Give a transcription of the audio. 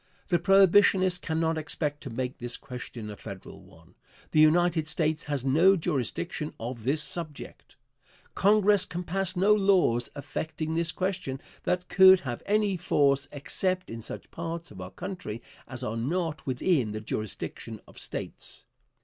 The Prohibitionists cannot expect to make this question a Federal one. The United States has no jurisdiction of this subject. Congress can pass no laws affecting this question that could have any force except in such parts of our country as are not within the jurisdiction of States.